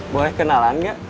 boleh kenalan gak